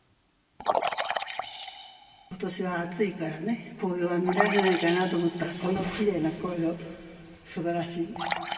ことしは暑いからね、紅葉は見られないかなと思ったら、このきれいな紅葉、すばらしい。